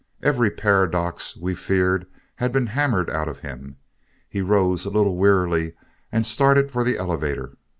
Every paradox, we feared, had been hammered out of him. He rose a little wearily and started for the elevator.